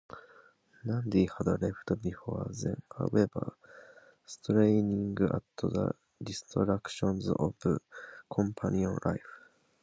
Nandi had left before then, however, straining at the restrictions of Companion life.